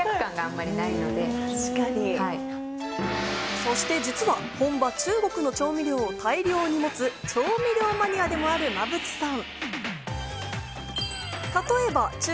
そして実は、本場・中国の調味料を大量に持つ調味料マニアでもある馬淵さん。